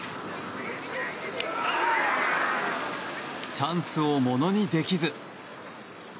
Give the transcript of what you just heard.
チャンスをものにできず。